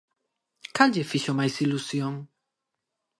Cal lle fixo máis ilusión?